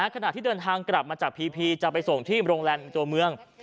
ขณะที่เดินทางกลับมาจากพีพีจะไปส่งที่โรงแรมตัวเมือง